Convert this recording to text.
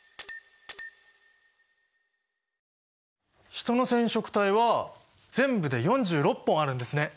ヒトの染色体は全部で４６本あるんですね。